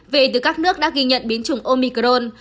về từ các nước đã ghi nhận biến chủng omicron